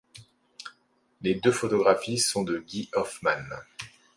Les deux photographies sont de Guy Hoffmann.